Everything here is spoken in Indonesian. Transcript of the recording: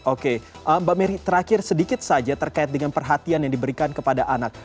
oke mbak merry terakhir sedikit saja terkait dengan perhatian yang diberikan kepada anak